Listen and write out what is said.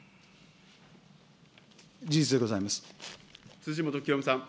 辻元清美さん。